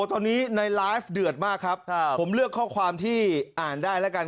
ตอนนี้ในไลฟ์เดือดมากครับผมเลือกข้อความที่อ่านได้แล้วกัน